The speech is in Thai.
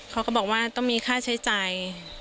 เขาก็บอกว่าต้องมีค่าใช้จ่าย